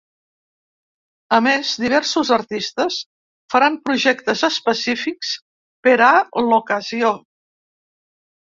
A més, diversos artistes faran projectes específics per a l’ocasió.